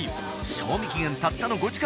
賞味期限たったの５時間。